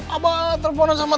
aba teleponan sama siapa